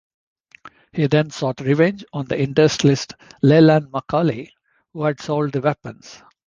He then sought revenge on the industrialist Leland McCauley, who had sold the weapons.